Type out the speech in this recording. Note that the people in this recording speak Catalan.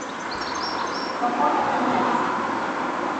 Tampoc va tenir èxit.